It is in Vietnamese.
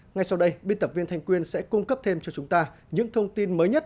ngay sau đây biên tập viên thanh quyên sẽ cung cấp thêm cho chúng ta những thông tin mới nhất